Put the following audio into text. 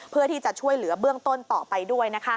เพื่อที่จะช่วยเหลือเบื้องต้นต่อไปด้วย